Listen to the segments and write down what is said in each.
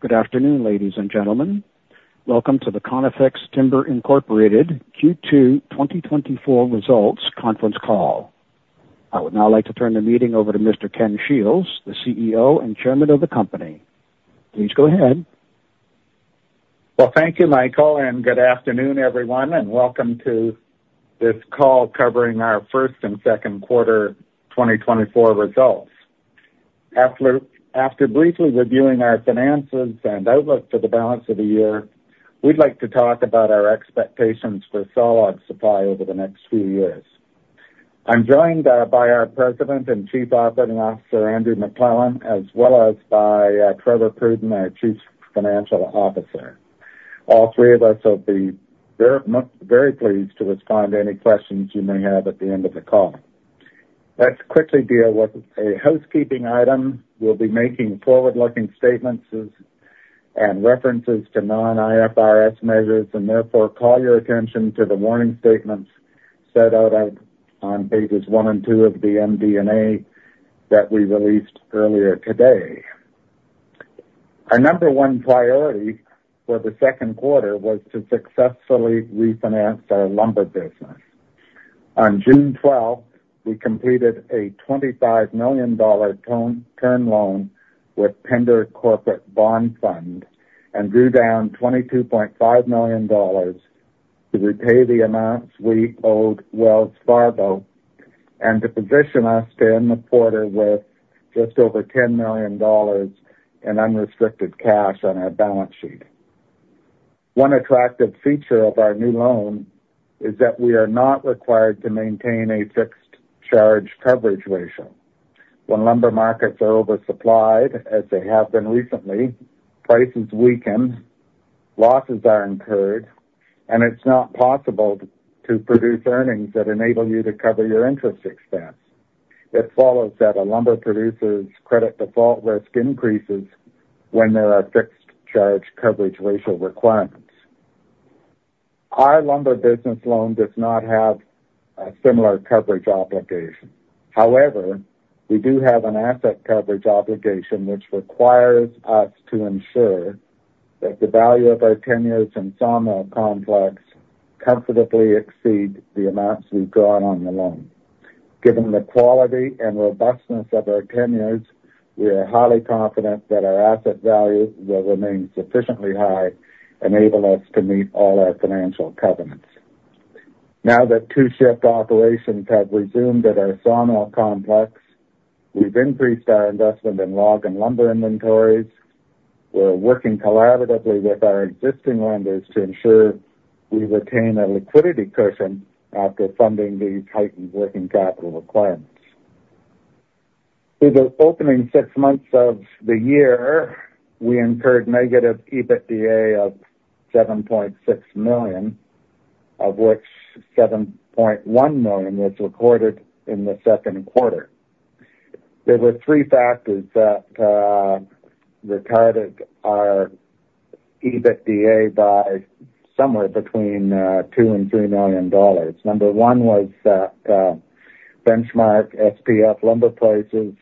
Good afternoon, ladies and gentlemen. Welcome to the Conifex Timber Incorporated Q2 2024 Results Conference Call. I would now like to turn the meeting over to Mr. Ken Shields, the CEO and Chairman of the company. Please go ahead. Well, thank you, Michael, and good afternoon, everyone, and welcome to this call covering our first and second quarter 2024 results. After briefly reviewing our finances and outlook for the balance of the year, we'd like to talk about our expectations for sawlog supply over the next few years. I'm joined by our President and Chief Operating Officer, Andrew MacLellan, as well as by Trevor Pruden, our Chief Financial Officer. All three of us will be very pleased to respond to any questions you may have at the end of the call. Let's quickly deal with a housekeeping item. We'll be making forward-looking statements and references to non-IFRS measures, and therefore call your attention to the warning statements set out on pages 1 and 2 of the MD&A that we released earlier today. Our number 1 priority for the second quarter was to successfully refinance our lumber business. On June twelfth, we completed a 25 million dollar term loan with Pender Corporate Bond Fund and drew down 22.5 million dollars to repay the amounts we owed Wells Fargo and to position us to end the quarter with just over 10 million dollars in unrestricted cash on our balance sheet. One attractive feature of our new loan is that we are not required to maintain a fixed charge coverage ratio. When lumber markets are oversupplied, as they have been recently, prices weaken, losses are incurred, and it's not possible to produce earnings that enable you to cover your interest expense. It follows that a lumber producer's credit default risk increases when there are fixed charge coverage ratio requirements. Our lumber business loan does not have a similar coverage obligation. However, we do have an asset coverage obligation, which requires us to ensure that the value of our tenures and sawmill complex comfortably exceed the amounts we've drawn on the loan. Given the quality and robustness of our tenures, we are highly confident that our asset value will remain sufficiently high, enable us to meet all our financial covenants. Now that two-shift operations have resumed at our sawmill complex, we've increased our investment in log and lumber inventories. We're working collaboratively with our existing lenders to ensure we retain a liquidity cushion after funding the tightened working capital requirements. Through the opening six months of the year, we incurred negative EBITDA of 7.6 million, of which 7.1 million was recorded in the second quarter. There were three factors that retarded our EBITDA by somewhere between 2 million and 3 million dollars. Number one was that benchmark SPF lumber prices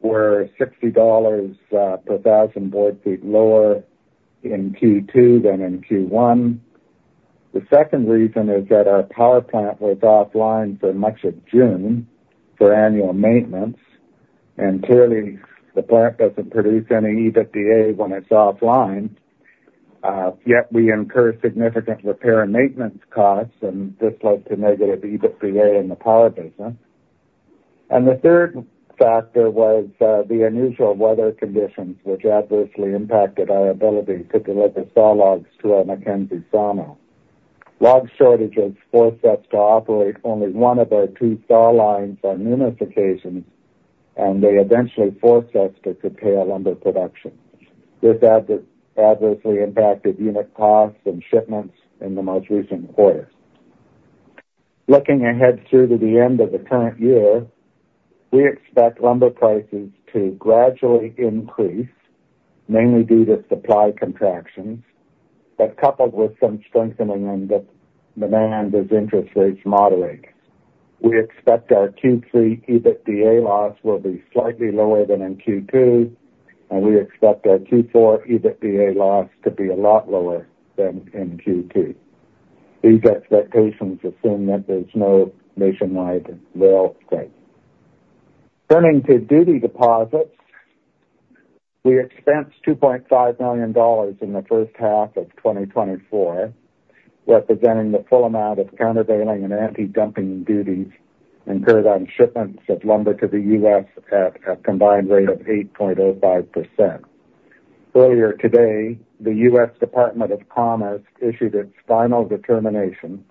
were $60 per thousand board feet lower in Q2 than in Q1. The second reason is that our power plant was offline for much of June for annual maintenance, and clearly, the plant doesn't produce any EBITDA when it's offline. Yet we incur significant repair and maintenance costs, and this led to negative EBITDA in the power business. And the third factor was the unusual weather conditions, which adversely impacted our ability to deliver sawlogs to our Mackenzie sawmill. Log shortages forced us to operate only one of our two saw lines on numerous occasions, and they eventually forced us to curtail lumber production. This adversely impacted unit costs and shipments in the most recent quarter. Looking ahead through to the end of the current year, we expect lumber prices to gradually increase, mainly due to supply contractions, but coupled with some strengthening in the demand as interest rates moderate. We expect our Q3 EBITDA loss will be slightly lower than in Q2, and we expect our Q4 EBITDA loss to be a lot lower than in Q2. These expectations assume that there's no nationwide rail strike. Turning to duty deposits, we expensed 2.5 million dollars in the first half of 2024, representing the full amount of countervailing and antidumping duties incurred on shipments of lumber to the U.S. at a combined rate of 8.05%. Earlier today, the U.S. Department of Commerce issued its final determination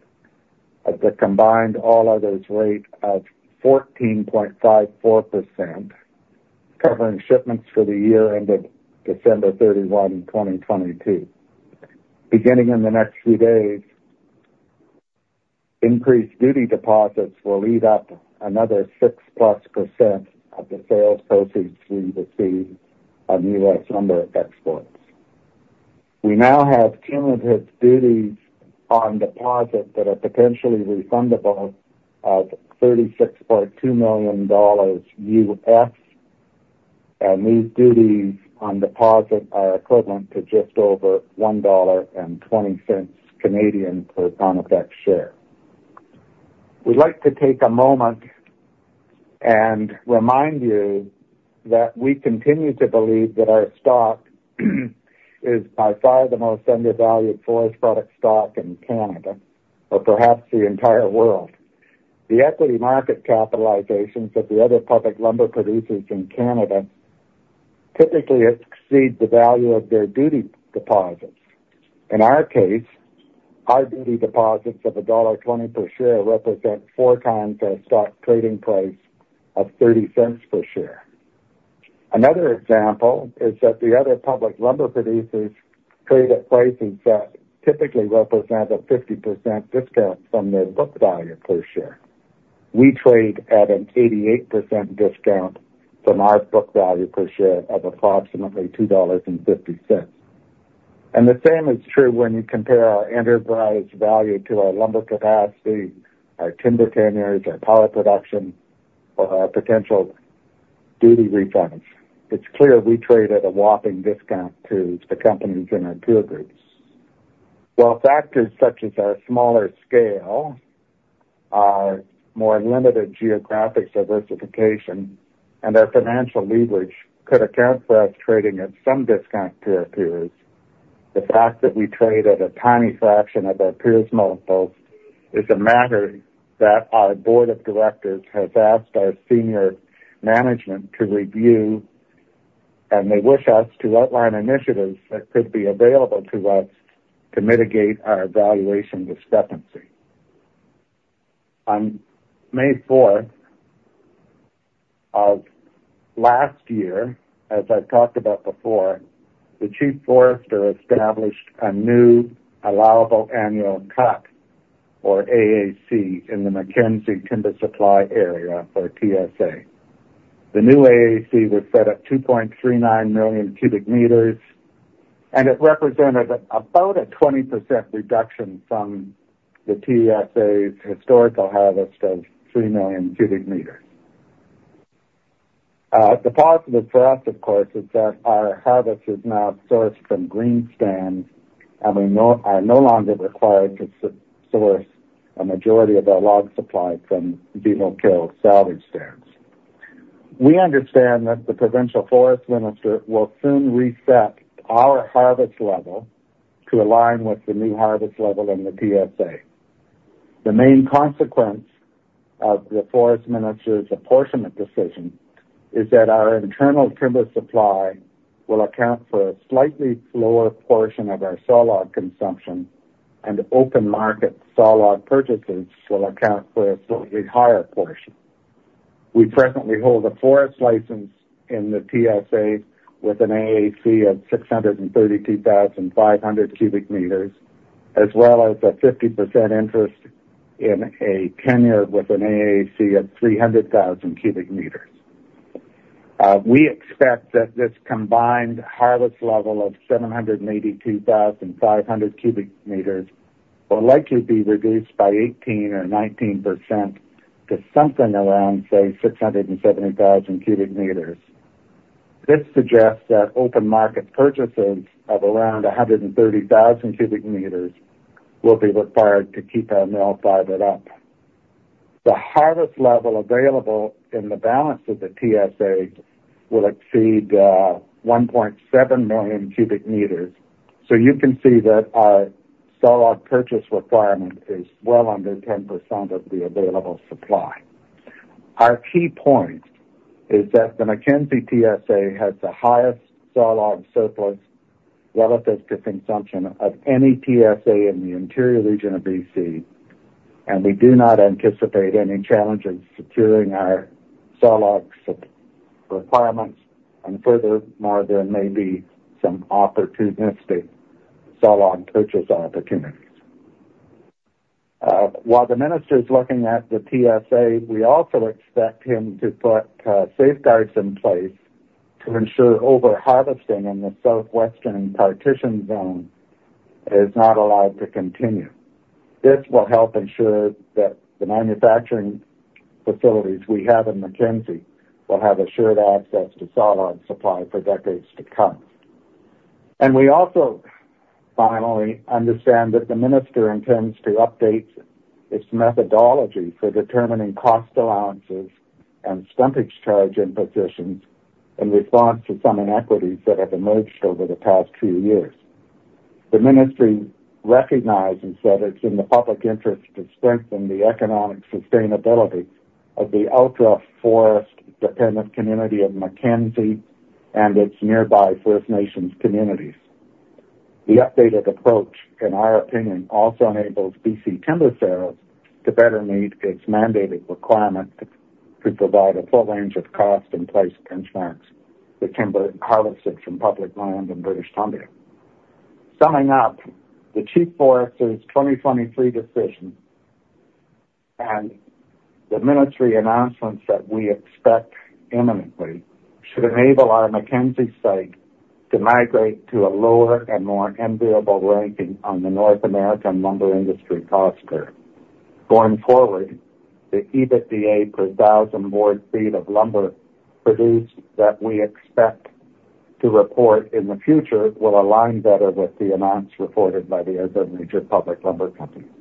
of the combined all others rate of 14.54%, covering shipments for the year ended December 31, 2022. Beginning in the next few days, increased duty deposits will eat up another 6%+ of the sales proceeds we receive on U.S. lumber exports.... We now have cumulative duties on deposit that are potentially refundable of $36.2 million, and these duties on deposit are equivalent to just over 1.20 Canadian dollars per Conifex share. We'd like to take a moment and remind you that we continue to believe that our stock is by far the most undervalued forest product stock in Canada or perhaps the entire world. The equity market capitalizations of the other public lumber producers in Canada typically exceed the value of their duty deposits. In our case, our duty deposits of dollar 1.20 per share represent 4 times our stock trading price of 0.30 per share. Another example is that the other public lumber producers trade at prices that typically represent a 50% discount from their book value per share. We trade at an 88% discount from our book value per share of approximately 2.50 dollars. The same is true when you compare our enterprise value to our lumber capacity, our timber tenures, our power production, or our potential duty refunds. It's clear we trade at a whopping discount to the companies in our peer groups. While factors such as our smaller scale, our more limited geographic diversification, and our financial leverage could account for us trading at some discount to our peers, the fact that we trade at a tiny fraction of our peers' multiples is a matter that our board of directors has asked our senior management to review, and they wish us to outline initiatives that could be available to us to mitigate our valuation discrepancy. On May fourth of last year, as I've talked about before, the Chief Forester established a new allowable annual cut, or AAC, in the Mackenzie Timber Supply Area, or TSA. The new AAC was set at 2.39 million cubic meters, and it represented about a 20% reduction from the TSA's historical harvest of 3 million cubic meters. The positive for us, of course, is that our harvest is now sourced from green stands, and we are no longer required to source a majority of our log supply from beetle kill salvage stands. We understand that the provincial forest minister will soon reset our harvest level to align with the new harvest level in the TSA. The main consequence of the forest minister's apportionment decision is that our internal timber supply will account for a slightly lower portion of our sawlog consumption, and open market sawlog purchases will account for a slightly higher portion. We presently hold a forest licence in the TSA with an AAC of 632,500 cubic meters, as well as a 50% interest in a tenure with an AAC of 300,000 cubic meters. We expect that this combined harvest level of 782,500 cubic meters will likely be reduced by 18% or 19% to something around, say, 670,000 cubic meters. This suggests that open market purchases of around 130,000 cubic meters will be required to keep our mill fired up. The harvest level available in the balance of the TSA will exceed 1.7 million cubic meters, so you can see that our sawlog purchase requirement is well under 10% of the available supply. Our key point is that the Mackenzie TSA has the highest sawlog surplus relative to consumption of any TSA in the interior region of BC, and we do not anticipate any challenges securing our sawlog supply requirements, and furthermore, there may be some opportunistic sawlog purchase opportunities. While the minister is looking at the TSA, we also expect him to put safeguards in place to ensure over-harvesting in the southwestern partition zone is not allowed to continue. This will help ensure that the manufacturing facilities we have in Mackenzie will have assured access to sawlog supply for decades to come. And we also, finally, understand that the minister intends to update its methodology for determining cost allowances and stumpage charge impositions in response to some inequities that have emerged over the past few years. The ministry recognizes that it's in the public interest to strengthen the economic sustainability of the ultra forest-dependent community of Mackenzie and its nearby First Nations communities. The updated approach, in our opinion, also enables BC Timber Sales to better meet its mandated requirement to provide a full range of cost in place contracts for timber harvested from public land in British Columbia. Summing up, the Chief Forester's 2023 decision... and the ministry announcements that we expect imminently should enable our Mackenzie site to migrate to a lower and more enviable ranking on the North American lumber industry cost curve. Going forward, the EBITDA per thousand board feet of lumber produced that we expect to report in the future will align better with the amounts reported by the other major public lumber companies.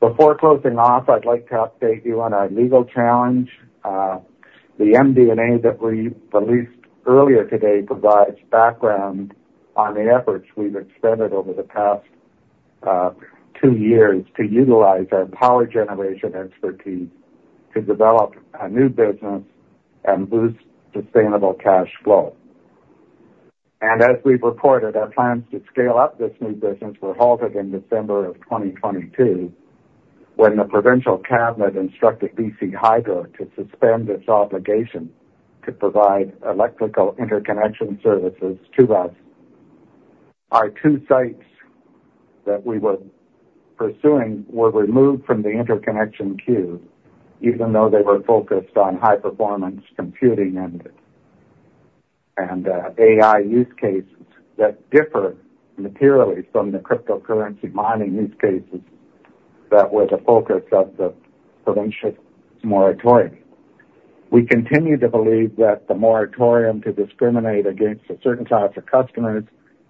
Before closing off, I'd like to update you on our legal challenge. The MD&A that we released earlier today provides background on the efforts we've expended over the past two years to utilize our power generation expertise to develop a new business and boost sustainable cash flow. As we've reported, our plans to scale up this new business were halted in December 2022, when the provincial cabinet instructed BC Hydro to suspend its obligation to provide electrical interconnection services to us. Our two sites that we were pursuing were removed from the interconnection queue, even though they were focused on high-performance computing and AI use cases that differ materially from the cryptocurrency mining use cases that were the focus of the provincial moratorium. We continue to believe that the moratorium to discriminate against a certain class of customers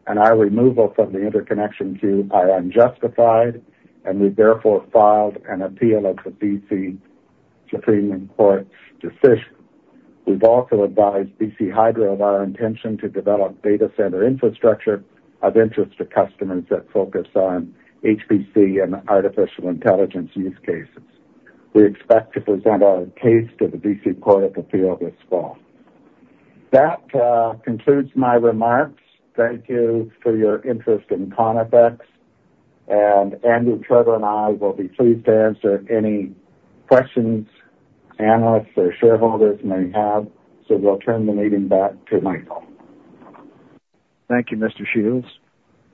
and our removal from the interconnection queue are unjustified, and we therefore filed an appeal of the B.C. Supreme Court's decision. We've also advised BC Hydro of our intention to develop data center infrastructure of interest to customers that focus on HPC and artificial intelligence use cases. We expect to present our case to the B.C. Court of Appeal this fall. That concludes my remarks. Thank you for your interest in Conifex. And Andrew, Trevor, and I will be pleased to answer any questions analysts or shareholders may have, so we'll turn the meeting back to Michael. Thank you, Mr. Shields.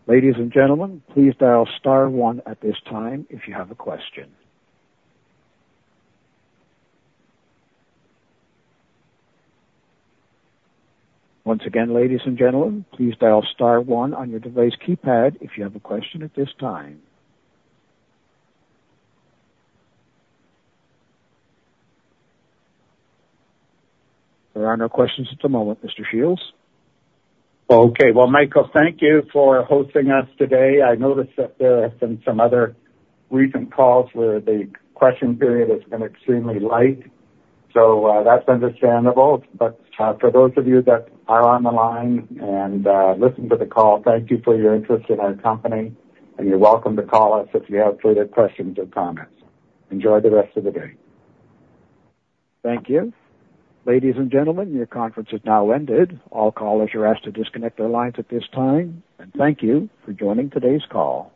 Ladies and gentlemen, please dial star one at this time if you have a question. Once again, ladies and gentlemen, please dial star one on your device keypad if you have a question at this time. There are no questions at the moment, Mr. Shields. Okay. Well, Michael, thank you for hosting us today. I noticed that there have been some other recent calls where the question period has been extremely light, so, that's understandable. But, for those of you that are on the line and listening to the call, thank you for your interest in our company, and you're welcome to call us if you have further questions or comments. Enjoy the rest of the day. Thank you. Ladies and gentlemen, your conference has now ended. All callers are asked to disconnect their lines at this time, and thank you for joining today's call.